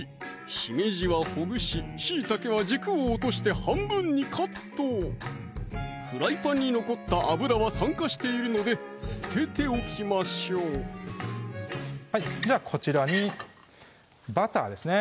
しめじはほぐししいたけは軸を落として半分にカットフライパンに残った油は酸化しているので捨てておきましょうじゃあこちらにバターですね